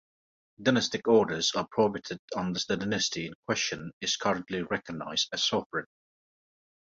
Dynastic orders are prohibited unless the dynasty in question is currently recognised as sovereign.